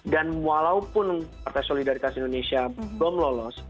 dan walaupun partai solidaritas indonesia belum lolos